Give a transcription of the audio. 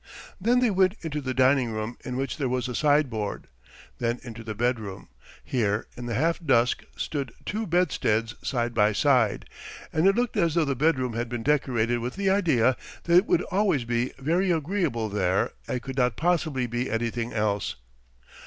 Then they went into the dining room in which there was a sideboard; then into the bedroom; here in the half dusk stood two bedsteads side by side, and it looked as though the bedroom had been decorated with the idea that it would always be very agreeable there and could not possibly be anything else.